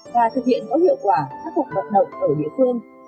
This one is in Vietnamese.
và thực hiện có hiệu quả các cuộc vận động ở địa phương